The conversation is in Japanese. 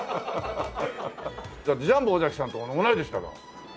だってジャンボ尾崎さんと同い年だから。